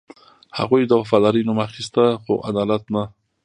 هغوی د وفادارۍ نوم اخیسته، خو عدالت نه.